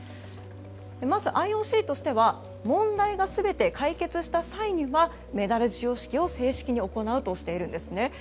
まずＩＯＣとしては問題が全て解決した際にはメダル授与式を正式に行うとしているんですね。